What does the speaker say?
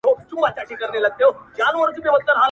بیا به دی او خپله توره طویله سوه-